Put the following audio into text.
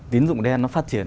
tín dụng đen nó phát triển